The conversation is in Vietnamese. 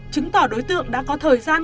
chứng tỏ đối tượng đã có thời gian